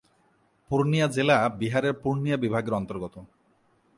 পূর্ণিয়া জেলা বিহারের পূর্ণিয়া বিভাগের অন্তর্গত।